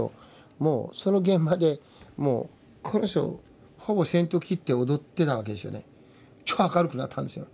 もうその現場でもうこの人ほぼ先頭を切って踊ってたわけですよね。